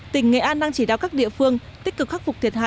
tỉnh nghệ an đang chỉ đạo các địa phương tích cực khắc phục thiệt hại